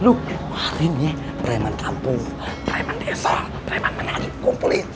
lu hari ini preman kampung preman desa preman manaanik kumpulin